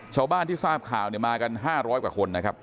ชาวบ้านที่ทราบข่าวมากัน๕๐๐กว่าคนนะครับ